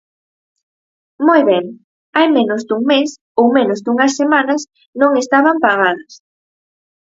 Moi ben, hai menos dun mes, ou menos dunhas semanas, non estaban pagadas.